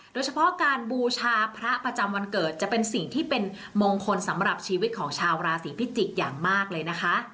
โดยเฉพาะการบูชาพระประจำวันเกิดจะเป็นสิ่งที่เป็นมงคลสำหรับชีวิตของชาวราศีพิจิกษ์อย่างมากเลยนะคะ